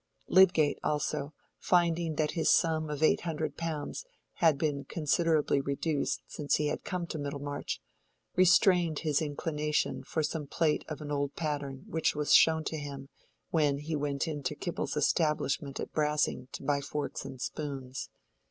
Lydgate also, finding that his sum of eight hundred pounds had been considerably reduced since he had come to Middlemarch, restrained his inclination for some plate of an old pattern which was shown to him when he went into Kibble's establishment at Brassing to buy forks and spoons.